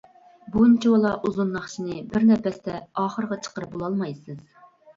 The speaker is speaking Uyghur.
بۇنچىۋالا ئۇزۇن ناخشىنى بىر نەپەستە ئاخىرىغا چىقىرىپ بولالمايسىز.